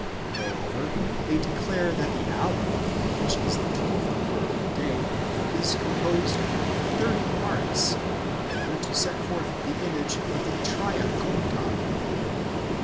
Moreover, they declare that the hour, which is the twelfth part of the day, is com posed" of thirty parts, in order to set forth the image of the Triacontad.